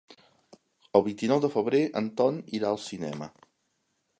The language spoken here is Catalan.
El vint-i-nou de febrer en Ton irà al cinema.